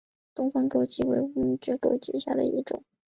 东方狗脊为乌毛蕨科狗脊属下的一个种。